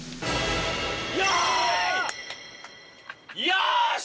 よし！